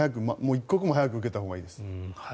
一刻も早く受けたほうがいいです。